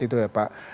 ya ada pasokan